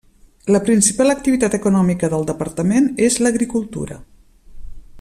La principal activitat econòmica del departament és l'agricultura.